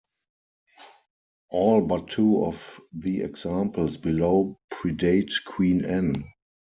All but two of the examples below predate Queen Anne.